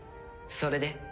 それで？